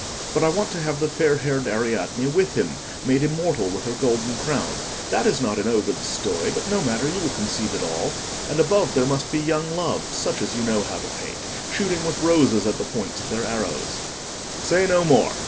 But I want to have the fair haired Ariadne with him, made immortal with her golden crown—that is not in Ovid's story, but no matter, you will conceive it all—and above there must be young Loves, such as you know how to paint, shooting with roses at the points of their arrows—" "Say no more!"